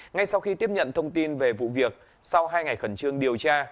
ngay sau khi tiếp nhận thông tin về vụ việc sau hai ngày khẩn trương điều tra